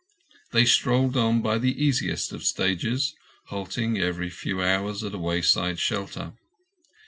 They strolled on by the easiest of stages, halting every few hours at a wayside shelter.